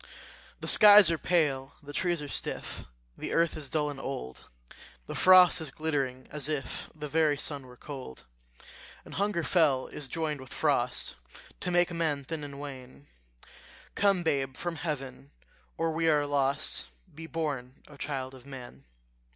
The skies are pale, the trees are stiff, The earth is dull and old; The frost is glittering as if The very sun were cold. And hunger fell is joined with frost, To make men thin and wan: Come, babe, from heaven, or we are lost; Be born, O child of man.